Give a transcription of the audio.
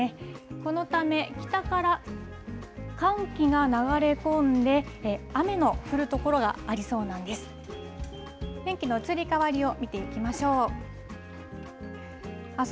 このため、北から寒気が流れ込んで、雨の降る所がありそうなんです。